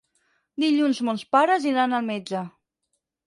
Dilluns mons pares iran al metge.